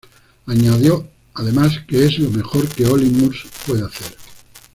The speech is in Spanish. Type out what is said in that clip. Añadió además que es lo mejor que Olly Murs puede hacer.